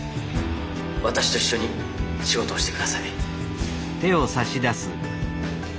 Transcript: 私と一緒に仕事をしてください。